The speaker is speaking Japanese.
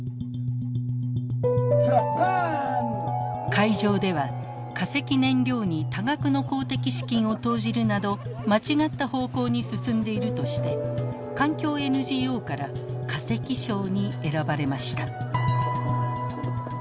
会場では化石燃料に多額の公的資金を投じるなど間違った方向に進んでいるとして環境ＮＧＯから化石賞に選ばれました。